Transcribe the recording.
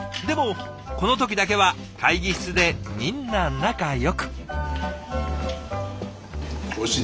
でもこの時だけは会議室でみんな仲よく。